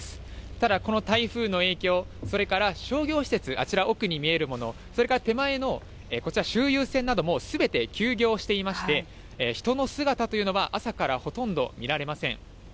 ただこの台風の影響、それから商業施設、あちら奥に見えるもの、それから手前のこちら、周遊船などもすべて休業していまして、人の姿というのは、朝からほとんど見られません。